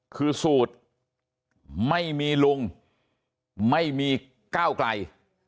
คือสูตรไม่มีลุงไม่มีก้าวไกล